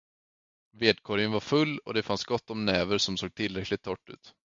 Vedkorgen var full och det fanns gott om näver som såg tillräckligt torrt ut.